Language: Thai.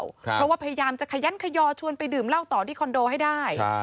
เพราะว่าพยายามจะขยันขยอชวนไปดื่มเหล้าต่อที่คอนโดให้ได้